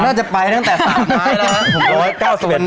ผมน่าจะไปตั้งแต่๓ไม้แล้วนะ